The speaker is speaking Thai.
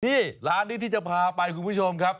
ที่ร้านนี้ที่จะพาไปคุณผู้ชมครับ